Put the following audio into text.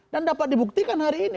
dan dapat dibuktikan hari ini